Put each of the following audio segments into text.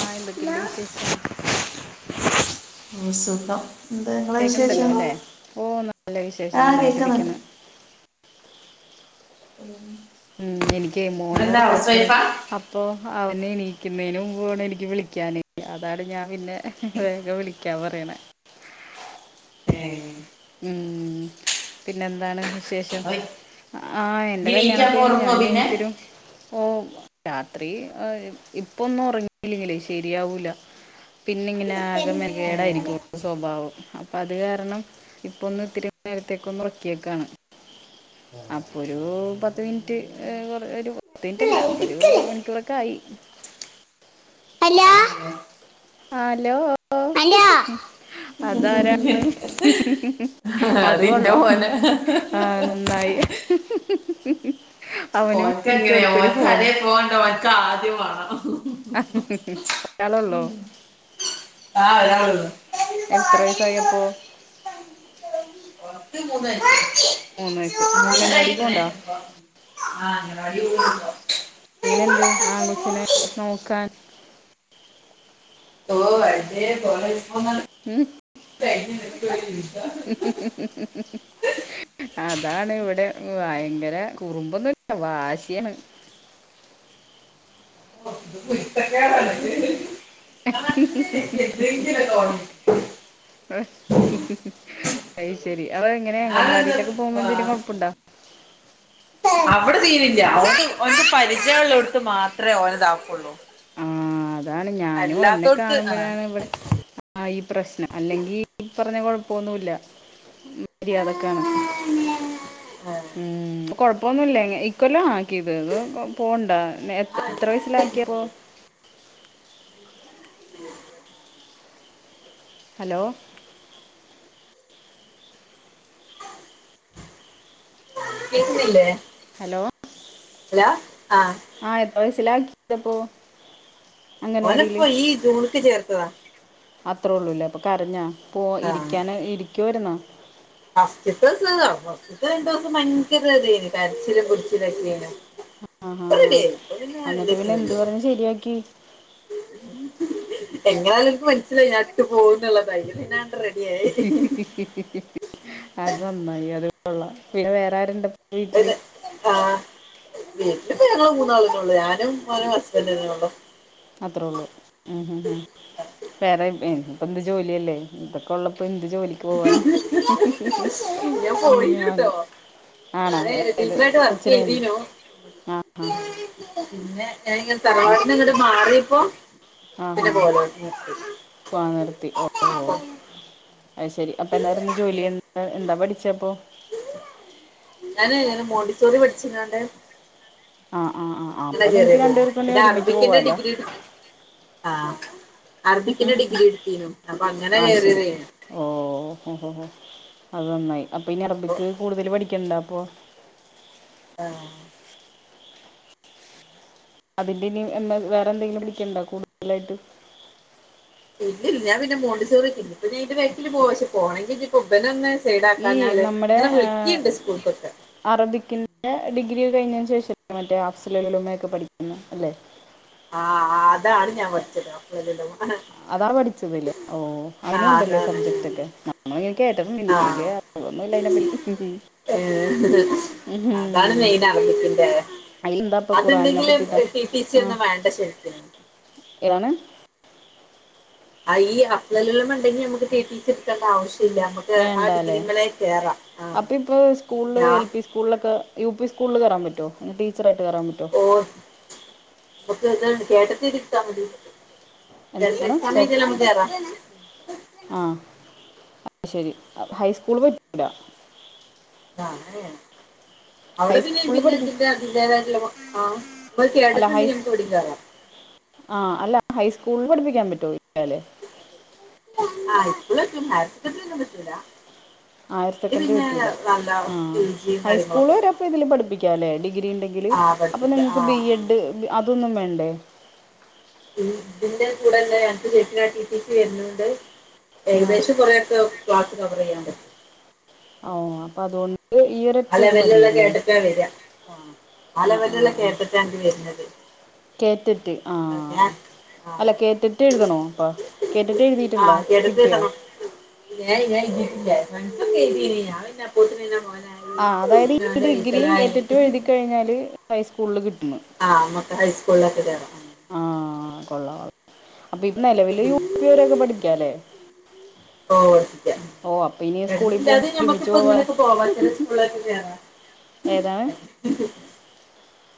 ആ എന്തക്കെണ്ട് ഓ വിശേഷം മ് സുഖം ന്താ നിങ്ങളെ വിശേഷഠ കേക്കണ്ടല്ലോ അല്ലേ ഓ നല്ല വിശേഷം ആ കേക്ക് ന്ന്ണ്ട് നന്നായിട്ടിരിക്കുന്നു [unintelligible] ഉം എനിക്ക് മോനേ എന്താ ഹൗസ് ഉറങ്ങാണ് വൈഫാ അപ്പൊ അവനെ എണീക്കുന്നതിന് മുമ്പ് വേണം എനിക്ക് വിളിക്കാന് അതാണ് ഞാൻ പിന്നെ വേഗം വിളിക്കാൻ പറയണ ഉം പിന്നെ എന്താണ് വിശേഷം? ഓയ് ആ എന്റെ ഇനി കല്യാണഒക്കെ വീറ്റാകുമ്പോ കഴിഞ്ഞ് ഉറങ്ങുവോ ഞാന് പിന്നെ എനിക്കൊരു ഓ രാത്രി ഇപ്പൊന്നും ഉറങ്ങില്ലെങ്കിലേ ശരിയാവൂല്ല പിന്നെ ഇങ്ങനെ ആകെ മെന കേടായിരിക്കും സ്വഭാവം അപ്പൊ അത് കാരണം ഇപ്പ ഒന്ന് ഇത്തിരി നേരത്തേക്കൊന്ന് ഉറക്കിയക്കാണ് അപ്പൊ ഒരു പത്ത് മിനിറ്റ് എ ഒരു പത്ത് മിനിറ്റ്ല്ല അപ്പൊ ഒരു ഒരു മണിക്കൂറൊക്കെ ആയി അല്ലാ ഹലോ... ഹ് ഹ് അതാരാണ് ഹ് ഹ് അത് അതിന്റെ കൊള്ളാം മോനെ നന്നായി ഹ് ഹ് ഹ്ഹ് ഓനക്ക് അങ്ങനെയാ ഓൻക്ക് അരെ പോകണ്ട ഓൻക്ക് ആദ്യം വേണം ഹ് ഹ് ഹ ഹ്ഹ് ഒരാളെള്ളു ആ ഒരാള് വന്നു. എത്ര വയസായി അപ്പോ? [unintelligible] മൂന്ന് ആയിക്കി മൂന്ന് വയസ്സ് അംഗൻവാടി പോണ്ട [inaudible] എങ്ങനുണ്ട് ആൺകൊച്ചിനെ നോക്കാൻ ഓ അടിപൊളി ഹ് ഹ് ഹ്ഹ അതാണിവിടെ ഭയങ്കര കുറുമ്പൊന്നില് വാശിയാണ് ഒ കുരുത്തക്കേടാണ് [unintelligible] ഹ് രസം. ഹ എന്തെങ്കിലും തോന്നി. ഹ ഹ് ഹ്ഹ് അയ്ശരി കുഴപ്പമുണ്ടോ [unintelligible] അവിടെ തീ ല്ല ഓൻ പരിചയള്ളടുത്ത് മാത്രമേ ഓനതാക്കുള്ളൂ ആ അതാണ് ഞാനും എന്നെ ആ കാണുമ്പോഴാണ് ഇവിടെ ഈ പ്രശ്നം അല്ലെങ്കിൽ ഇ പറഞ്ഞ കുഴപ്പങ്ങ ഒന്നില്ല മര്യാതക്കാണ് ആ. ഉ കുഴപ്പമൊന്നു ഇല്ല ങ്ങ ഇക്കൊല്ല കിതർക്കെ പോണ്ട എ എത്ര വയസിലാക്കിയപ്പോ ഹലോ ഹലോ ഹലോ ആഹ് എത്ര വയസ്സിലാക്കിയതപ്പോ അംഗൻവാടിയിൽ ഓനപ്പോ ഈ ജൂണക്ക് ചേർത്തതാ അത്രേ ഉള്ളൂല്ലേ അപ്പൊ കരഞ്ഞാ പോ ഇരിക്കാൻ ഇരിക്കുവ വരുന്ന ഫസ്സ്റ്റത്തുസം ഫസ്റ്റ്ത്തെ രണ്ടുസം ഭയങ്കരതേന് കരച്ചിലും പൊടിച്ചിലൊക്കെന ആ ഹാ ഇപ്പ ഹാ റെഡിയായി ഇപ്പ പിന്നെ എന്നിട്ട് പിന്നെ രണ്ടുസത്തിനില്ല എന്ത് പറഞ്ഞ് ശരിയാക്കി എങ്ങനാലനക്ക് മനസ്സിലായി ഞഇട്ട് പോകന്നുള്ളത് ധൈര്യത്തിനാണ് ഹി ഹി ഹി അത് നന്നായി അത് കൊള്ളാം. പിന്നെ വേറാരുണ്ട് ആ പ ഇപ്പൊ ഞങ്ങൾ മൂന്നാളിനുള്ളൂ ഞാനും ഓനു ഹസ്ബൻഡ തന്നെ ഉള്ളൂ അത്രേ ഉള്ളൂ ഉം ഇപ്പം എന്ത് ജോലിയല്ലേ ഇതൊക്കെ ഉള്ളപ്പം പ്പൊ എന്ത് ജോലിക്ക് പോവാൻ ഞാൻ പോയിനുട്ടോ ആണോ ഞാന് ഏത് ടീച്ചറായിട്ട് വർക്ക് കൊച്ചിന് മുമ്പ് ചെയ്തിനു ആ ആ പിന്നെ ഞങ്ങ ആ തറവാട്ടിനങ്ങോട്ട് മാറിയപ്പോ ആ ആ പിന്നെ പോല പോവാൻ അ ശരി അപ്പം എ എന്നായിരുന്നു ജോലി എന്താ എന്താ പഠിച്ചപ്പോൾ എങ്ങനെ മോണ്ടിച്ചോറി പഠിച്ചിരോണ്ടണ്ട് ആഹ് ആഹ് ആ അപ്പൊ നിങ്ങക്ക് രണ്ടുപേരത്തന്ന പിന്നെ ഒരുമിച്ച് അറബിക്കിന്റെ പോവാലോ ഡിഗ്രി എടുത്ത് ആഹ് അറബിക്കിന് ഡിഗ്രി എടുത്തീനു അപ്പൊ അങ്ങനെ ആ ശരി കേറിയതേനു ഓ ഓ അതൊന്നായി അപ്പൊ ഇനി അറബിക്ക് കൂടുതൽ പഠിക്കണ്ട അപ്പൊ ആ അതിന്റെ ഇ വേറെ എന്തെങ്കിലും വിളിക്കണ്ടോ കൂടുതലായിട്ട് ഇല്ലില്ല ഞാ പിന്നെ മണ്ടിൂർ ഇപ്പ നഞീ വെക്കില് പോ പക്ഷെ പോണെങ്കിൽനി കുമബന ഒന്നെ സൈഡ ഈ ആക്കാഞ്ഞാല് നമ്മുടെ ഇങ്ങനെ ആഹ് വിളിക്കിണ്ട് സ്കൂൾക്കൊക്കെ അറബിക്കിന്റെ ഡിഗ്രി കഴിഞ്ഞതിന് ശേഷം മറ്റേ ആഫ്സലുകളിലമ്മയൊക്കെ പഠിക്കുന്നു അല്ലേ ആ അതാണ് ഞാൻ പഠിച്ചത് അപ്പ എല്ല അതാ പഠിച്ചതലേ ഓ അയിനും ഉണ്ടല്ലേ അതാണ് സബ്ജെക്റ്റ് ഒക്കെ ന ഇന കേട്ട എനിക്കല് ഏ അതാണ് മെയിൻ അറജത്തിന്റെ അതിലെന്താ ഇപ്പൊ അത് ഖുറാനിനെ എന്തെങ്കിലും പറ്റിട്ടാ ടി സി ആ ഒന്നും വേണ്ട ശരിക്കുന്നു ഏതാണ് ആ ഈ അപ്പ്ലള്ളമ ഉണ്ടെങ്കി നമുക്ക് തീട്ടീ എടുക്കേണ്ട ആവശ്യം വേണ്ടല്ലേ ആഹ് അപ്പ ഇപ്പ സ്കൂള് ഞാൻ എൽ പി സ്കൂളിലൊക്കെ യു പി സ്കൂളിൽ കയറാൻ പറ്റോ ടീച്ചറായിട്ട് കയറാൻ പറ്റോ തണ്ട് കേട്ടതിരിത്താൽ മതി എന്താണ് ചേ സമയത ന മതിറ [unintelligible] അ ശരി ഹൈസ്കൂള് പറ്റിടാ ആ അതയാണ് [unintelligible] അവിടെ പിന്നെയ ഹൈസ്കൂളിൽ പിന്നെ പഠിപ്പി അതിറെ അതിന്റേതായിട്ടുള്ള ആമ്മ അല്ല കേട്ടത്തി എന്തേും ഹൈസ് നമക്ക് ഓടിക്കറാം ആ അല്ല ഹൈസ്കൂളിൽ പഠിപ്പിക്കാൻ പറ്റോ ഇല്ലാലെ ഉ ഭാരത്ത കന്നല്ല ഹയർ സെക്കൻഡറി പട്ടൂല ആ പി ജിയും ഹൈസ്കൂള് കാര്യങ്ങളൊക്കെ എടുക്കണം വരെപ്പ ഇതില് പഠിപ്പിക്ക ക്കല്ലേ ഡിഗ്രി ഉണ്ടെങ്കിൽ ആഹ് അപ്പൊ പഠിപ്പിക്ക നിങ്ങക്ക് ബി ആഹ് ആഹ് എഡ് അതൊന്നും വേണ്ടേ ഇതിന്റെ കൂടെല്ല അ ചേ ടി ടി സി വരുന്നുണ്ട് ആ ഏകദേശം കുറെക്കെ ക്ലാസ് കവർ ചെയ്യാണ്ട് ഓ അപ്പൊ അതൊണ്ട് ആ ലെവലിലുള്ള കേട്ടിട്ടാ വരിക ആ ആ ലെവലുള്ള കേറ്റാട്ട് വരുന്നത് കേട്ടട്ട് ആഹ ഞാൻ ആ അല്ല കേറ്റിട്ട് എഴുതണോ അപ്പ കേറ്റിട്ട് എഴുതിയിട്ടുണ്ടാ കിട്ടിയാ ഞ ഞട്ടം പോട്ട [unintelligible] ആഹ അതായത് ഈ ഡിഗ്രിയും ഏറ്ററ്റും എഴുതി കഴിഞ്ഞാല് ഹൈസ്കൂളിൽ കിട്ടും ആഹ് നമുക്ക് ഹൈസ്കൂളിലൊക്കെ കേറാം ആഹ കൊള്ളള്ള അപ്പൊ ഇ നിലവില് യു പിരൊക്കെ പഠിക്കാലേ ഓ ശക്ക ഇനി [unintelligible] സ്കൂളിൽ പോകുമ്പോൾ ഇടതില്ലാതെ ഒരുമിച്ച് ഞമ്മക്കിപ്പോ പോവാ ഇങ്ങനെയൊക്കെ പോവാത്ത സ്കൂളിലൊക്കെയണോ ഏതാണ് ഉ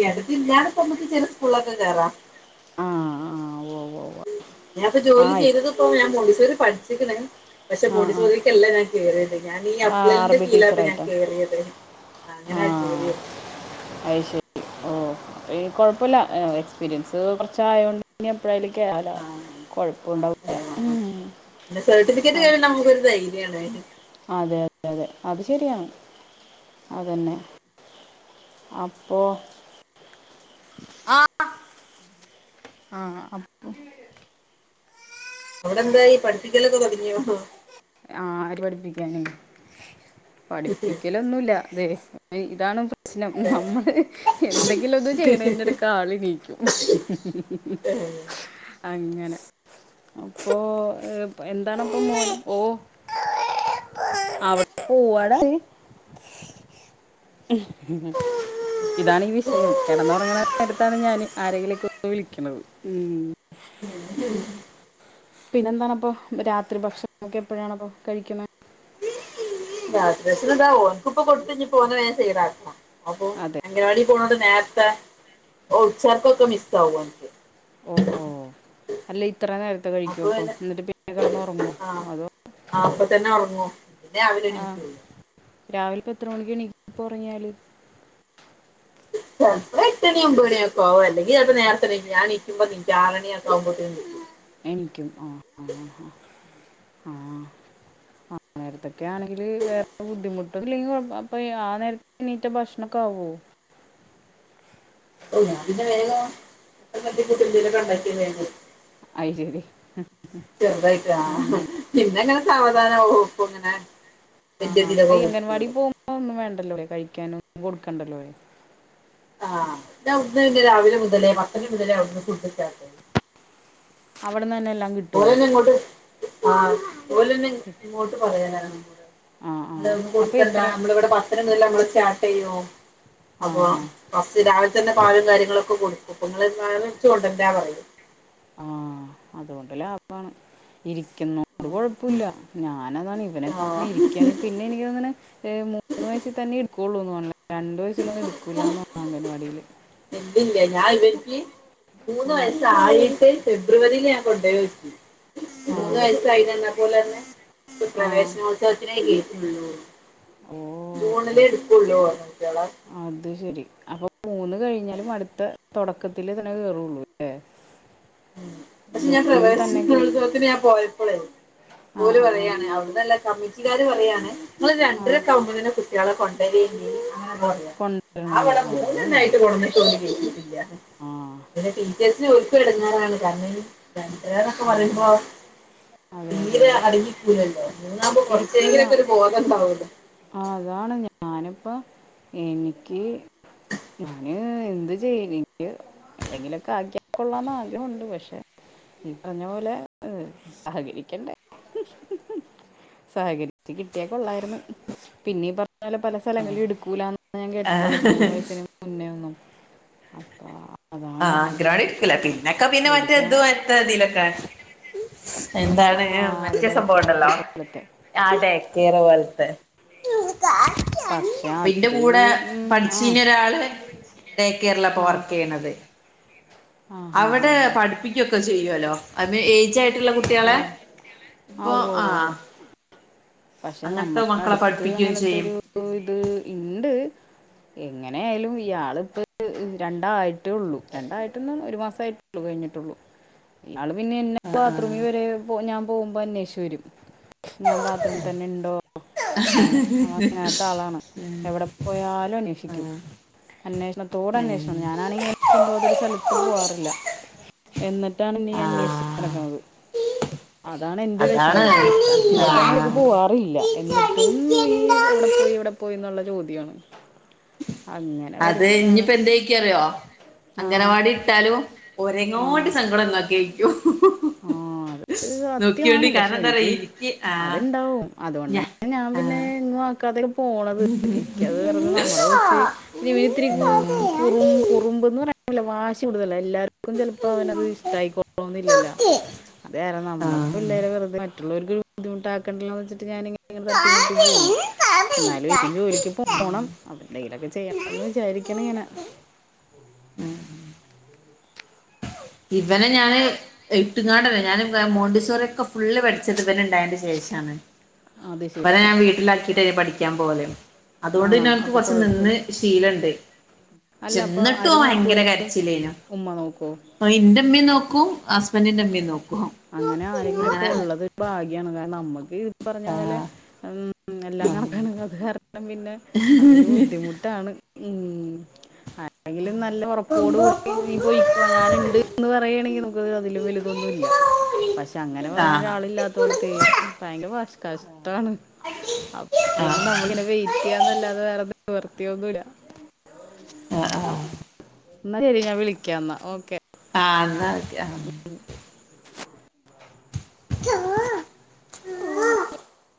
കേടത്തില്ലാതെ തമുക്ക് ചില സ്കൂളൊക്കെ കേയറാം ആഹ ആഹ് ഞാൻ ഇപ്പോ ജോല ചെയ്തതിപ്പോ ഞാൻ മോണ്ടിസോറി പഠിച്ചിക്കണ പക്ഷെ ആ ആ മോണ്ടിസോറിക്കല്ലാം ഞാൻ കേറിയ ഞാൻ ഈ ആ അപ്ലലിന്റെ അറബി കീലാക്കെ ഞാൻ ടീച്ചറായിട്ടാ കേറിയത് അങ്ങനെയാണ് കേറിയത് അ ശരി ഓ കൊഴപ്പില്ല എക്സ്പീരിയൻസ് കൊറച്ചയോണ്ട് ഇപ്പഴായലേക്കാല ആഹ് കുഴപ്പം അതെ ഉണ്ടാവില്ല ആഹ് പിന്നെ സർട്ടിഫിക്കറ്റ് കഴി നമുക്കൊരു ധൈര്യമാണ് അതെ അതെ അതെ അത് ശെരിയാണ് അതന്നെ അപ്പൊ ആ ആഹ അപ്പ അവിടെ എന്തായി പഠിപ്പിക്കലൊക്കെ തുടങ്ങിയോ പഠിപ്പിക്കലൊന്നുമല്ല അതെ ഇതാണ് പ്രശ്നം നമ്മള് എന്തെങ്കിലും ഇത് ചെയ്യണതിന്റെ അടുക്ക ആളീരീക്കും അങ്ങനെ അപ്പൊ എന്താണപ്പൊ മോന ഓ അവിടെ പോവാടാ ഉ ഇതാണ് ഈ വിഷയം കിടന്നുറങ്ങന എടുത്താണ് ഞാൻ ആരെങ്കിലേക്ക വിളിക്കുന്നത് ഉ [unintelligible] പിന്നെന്തണപ്പൊ രാത്രി ഭക്ഷണം നൊക്കെ എപ്പഴാണ്പ്പൊ കഴിക്കുന്നത് രാത്രി ഭക്ഷണം എന്താ ഓനക്കിപ്പൊ കൊടുത്ത് ഓനെ വേഗം സൈഡ് ആക്കണം അപ്പോ അതെ അംഗൻവാടി പോണൊണ്ട് നേരത്തെ ഉച്ചർക്കൊക്കെ മിസ് ആകും ഓൻക്ക് ഓ ഓ അല്ലെ ഇത്രയും നേരത്തെ കഴിക്കും അപ്പൊ അപ്പം പിന്നെ എന്നിട്ട് പിന്നെ കിടന്ന് ഉറങ്ങും ആ അതോ ആ അപ്പൊ തന്നെ ഉറങ്ങും പിന്നെ രാവിലെ ആ എണീക്കോള്ളൂ രാവിലെ എത്ര മണിക്ക് എനീ ക്കും ഇപ്പോൾ ഉറങ്ങിയാൽ ചിലപ്പോൾ എട്ടുമണി ഒൻമ്പത് മണിയൊക്കെ ആകും അല്ലെങ്കിൽ ചെലപ്പോൾ നേരത്തെ എനീക്കും ഞാൻ നീക്കുമ്പോ നീക്കും ആറ് മണിയൊക്കെ ആകുമ്പോത്തിന് നീക്കും എനീക്കും ആ ഹ ഹഹ ആ ആ നേരത്തൊക്കെ ആണെങ്കില് വേറെ ബുദ്ധിമുട്ടും ഇല്ലെങ്കിലും കു അപ്പോ ആ നേരത്ത് എനീറ്റ ഭക്ഷണഒക്കെ വ വോ ഓ ഞാൻ പിന്നെ വേഗം തട്ടി കൂട്ടി എന്തെങ്കിലും ഒക്കെ ഉണ്ടാക്കി കഴിക്കും അത് ശരി ചെറുതായിട്ടാ ആ ഹ അങ്ങനെ പിന്നെങ്ങനെ സാവതാനെ ഓ പ്പങ്ങനെ അ ആ അംഗൻവാടി പോകുമ്പോൾ ഒന്നും വേണ്ടല്ലോലെ കഴിക്കാനൊന്നും കൊടുക്കണ്ടല്ലോലെ ആ അവ്ടന്ന് രാവിലെ മുതലേ പത്ത് മണി മുതലേ അവിടന്ന് ഫുഡണ്ടാകും അവിടെന്ന് തന്നെ എല്ലാം കിട്ടുമോ ഓലെന്നെ ഇങ്ങോട്ട് ആ ഓലെന്നെ ഇങ്ങോട്ട് പറയലാ ആ ആ ങ്ങൾ അപ്പം കൊടുക്കണ്ട എത്ര നമ്മളിവിടെ പത്തണി മുതൽ നമ്മൾ സ്റ്റാർട്ടെയോ ആ അപ്പോ ഹാ ബസ്സ് രാവിൽ പാലും കാര്യങ്ങളൊക്കെ കൊടുക്കും നിങ്ങൾ [unintelligible] കൊണ്ടര്ണ്ട പറയും ആ അതുകൊണ്ട് ലാഭാണ് ഇരി ഇരിക്കുന്നോണ്ട് കുഴപ്പം ഇല്ല ഞാൻ അതാണ് ആഹ് ഇവനൊന്നിരിക്കാണെങ്കിൽ പിന്നെ എനിക്ക് തോന്നുന്നു മൂന്ന്‌വയ യസിതന്നെ എടുക്കൊള്ളൂന്നോണ് രണ്ടു വയസിലോന്നും എടുക്കൂലാന്നാ പറഞ്ഞു അംഗൻവാടിയിൽ ഇല്ലില്ല ഞാൻ ഇവർക്ക് മൂന്ന് ആ വയസ്സായിട്ട് ഫെബ്രുവരിയിൽ ഞാൻ കൊണ്ടോയോക്കി ആ മൂന്ന് വയസ്സായിചെന്നപ്പോൾ ഓൽ പറഞ്ഞു ആ പ്രവേശനോത്സവത്തിനേ കേറ്റൊള്ളു ഓ ജൂണിലേ എടുകൊള്ളൂ അത് ശരി അപ്പൊ മൂന്ന് കഴിഞ്ഞാലും അടുത്ത തുടക്കത്തിലെ ഇതിനെ കേറൊള്ളൂ ല്ലേ പക്ഷെ ഞാൻ പ്രവേശ്നോത്സവത്തിന് ഞാൻ പോയപ്പളെ ആ ഓല് ആ ആ പറയാണ് അവിടന്നല്ല കമ്മിറ്റിക്കാര് പറയാണ് നിങ്ങള് ആ രണ്ടരൊക്കെ ആകുമ്പോന്നെ കുട്ടിയാളെ കൊണ്ടരെനി അങ്ങനെ [unintelligible] കൊണ്ടുവരണോ അല്ലേ ആവടെ ആ അത് മൂന്നെന്നായിട്ട് നന്നായി കൊണ്ടന്നിട്ട് ഓല് കേറ്റീട്ടില്ല ആ പിന്നെ ടീച്ചേഴ്സിനു ഓൽക്കും എടങ്ങേറാണ് കാരണം രണ്ടെരാന്നൊക്കെ ആ പറയുമ്പോ അതെ അതെ തീരെ അതെ അടങ്ങി നിക്കൂലല്ലോ ഇരിക്കൂല അതാണ് ഞാനിപ്പോ എനിക്ക് ഞാൻ എന്ത് ചെയ്യും എനിക്ക് എവിടെങ്കിലും ആക്കിയാൽ കൊള്ളാന്ന് ആഗ്രഹമുണ്ട് പക്ഷെ നീ പറഞ്ഞ പോലെ സഹകരിക്കണ്ടേ സഹകരിച്ച് കിട്ടിയാൽ ക്കൊള്ളായിരുന്നു പിന്നീ പ പല പല സ്ഥലങ്ങളിൽ എടുക്കൂലന്ന് ഞാൻ കേട്ടിട്ടുള്ളത് മൂന്ന് വയസ്സ് നെയൊന്നും അപ്പാ ആഹ് അംഗനവാടി ഇട്ക്കുല പിന്നെക്കെ പിന്നെ മറ്റേ എടുക്കാൻ എതും എത്ത ഇതിലൊക്കെ എന്താണ് മറ്റേയാ അതിലെ കയറൊക്കെ സംഭവണ്ടല്ലോ പോലത്തെ ആ ടേകെയറ് പോലത്തെ പക്ഷെ അപ്പിന്റെ അത് കൂടെ ഉം, ആ പഠിച്ചീന്യ ഒരാള് ഡേക്കെയറിലാപ്പൊ ആ വർകെയ്യ്ണത് ആ ഹാ ഹാ അവിടെ ഹാ പഠിപ്പിക്കൊക്കെ ചെയ്യോല്ലോ അ മേ ഏയ്ജായ് ട്ടുള്ള കുട്ടികളെ ഓ ആ ഇപ്പൊ ഓ ഓ ആഹ് ഓ പക്ഷെ നമ്മുടെ അടുത്ത് ചെയ്യും അങ്ങനത്തൊരു ഇത് ഇണ്ട് എങ്ങനെയാലും ഇയാള് പ്പ് രണ്ടായിട്ടേള്ളൂ രണ്ടായിട്ട്ന്ന്ഒരു മാസയിട്ടൊള്ളു കഴിഞ്ഞിട്ടൊള്ളു ആള് പിന്നെ എന്നെ ആഹ് ബാത്റൂമിൽ വരെ ഞാൻ പോകുമ്പോ അന്വേഷിച്ച്‌വരും ഞാൻ ബാത്ത് ആഹ് ത്തനെണ്ടോ എന്ന് ആ അങ്ങ്നത്തെ ആളാണ് എവിടെ പോയാലും അന്വേഷിക്കും ആഹ് അന്വേഷണത്തോട് ഏഹ് അന്വേഷണണ് ഞാനാണേ ആയ്നെ കൊണ്ടു പോകാതൊരു സ്ഥലത്ത് പോവാറില്ല എന്നിട്ടാണ് എനീ അന്വേഷിച്ച് നടക്ക്ണത് അതാണ് എന്റെ അതാണ് വെഷമം അല്ലേ തന്നെ ആഹ് പോവാറില്ല എന്നിട്ടും ഈ എവിടെ പോയി എവിടെ പോയി ന്ള്ളെ ചോദ്യാണ് അത് ഇഞ്ഞിപ്പെന്തെയ്ക്കാറിയോ ആ അംഗനവാടി ഇട്ടാലും ആ ഒരങ്ങോട്ട് സങ്കടം ഇങ്ങക്കെയ്ക്കും ആ അത് സത്യമാണ് പക്ഷെ കാരണം എന്താ പറയാ എനിക്ക് ആഹ് അത്ണ്ടാവും ഞാ അതോണ്ടന്നെ ഞാൻ പിന്നെ ആഹ് എങ്ങും അകാതെ പോണത് എനിക്കത് വേറത് നമ്മടെ കൊച്ച് ഞ്ഞിപ്പോ ഇത്തിരി കൂറ് കുറുമ്പ്ന്ന് പറയ ല്ല വാശി കൂടുതല എല്ലാർക്കും ചെലപ്പോ അവനത് ഉം ഇഷ്ടായിക്കൊള്ളണംന്ന്ല്ല നോക്ക് അതേര നമ്മടെ ആഹ് പിള്ളേരെ വെറുതെ മുള്ളവർക്ക് ഒരു ബുദ്ധിമുട്ടാക്കണ്ടല്ലോ വെച്ചിട്ട് ഞാനിങ്ങനെ തട്ടിമുട്ടി പോണ് എന്നാലും എൻ്റെജോലിക്ക് പോണം എന്തയ്ലൊക്കെ ചെയ്യണംന്ന് വിചാരിക്കണ് ങ്ങനെ ഇവന ഞാന് ഇട്ട്ങ്ങാടല്ല ഞാന് മോണ്ടീസോറി ഒക്കെ ഫുള്ള് പഠിച്ചത് ഇവന ണ്ടായന്റെ ശേഷ ചണ് അത് ശരി ഇവളെഞാൻ വീട്ടിലാക്കിയിട്ടല്ലേപഠിക്കാൻ പോവല്‌ ആണോ അതുകൊണ്ട്പിനെഅവൻക്ക് അപ്പോൾ കൊറച്ച് കുഴപ്പമില്ല നിന്ന് ശീലണ്ട് അല്ല അപ്പോൾ ചെന്നിട്ടോ ആര് നോക്കുമോ ഓവയങ്കര ഒരു കരച്ചില്ലേനും ഉമ്മ നോക്കുമോ ന്റെ മ്മി നോക്കൂ അങ്ങനെ ആരെങ്കിലെക്കെ ആഹ് ഒള്ളത് ഒരു ഭാഗ്യ യാണ് നമ്മക്ക് ഇത് പറഞ്ഞ പോലെ ആഹ് എല്ലാം കണക്ക പിന്നെ അതൊരു ബുദ്ധിമുട്ടാണ് മ് അലെങ്കിലും നല്ല ഉറപ്പോടു പൊമ്പോ കൂടി നീ പോയിക്കെ ഞാന് പൊമ്പോളോടി ഇണ്ട് എന്ന് പറുകയാണെങ്കിൽ നമൂക്ക് പിന്നെ അതില് തൊന്നുല്ല പിന്നെല്ലോടി പക്ഷെ അങ്ങനെ ആ പറയാൻ ഇത് ഒരാളില്ലാത്തോട്ത്തെ കുടുങ്ങടാ ഭയങ്കര ഭഷ കഷ്ടണ് അടി ആ പിന്നെ നമ്മൾ ഇനെ വെയിറ്റ് അടി ചെയ്യാന്നല്ലാതെ വേറെ നിവർത്തിയോന്നുംല്ല ആ ആ എന്നാ ശരി ഞാൻ വിളിക്കാം എന്നാ ഓക്കെ ആ ന്ന അതക്കെ ആ [unintelligible]